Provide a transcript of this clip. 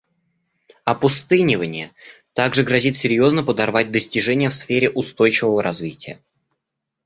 Опустынивание также грозит серьезно подорвать достижения в сфере устойчивого развития.